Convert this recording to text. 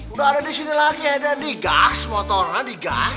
udah ada di sini lagi ada di gas motornya digas